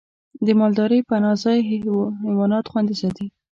د مالدارۍ پناه ځای حیوانات خوندي ساتي.